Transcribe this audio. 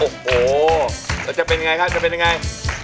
โอ้โหแล้วจะเป็นไงครับจะเป็นยังไง